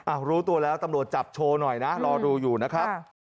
รู้ตัวแล้วตำรวจจับโชว์หน่อยนะรอดูอยู่นะครับ